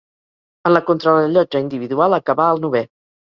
En la contrarellotge individual acabà el novè.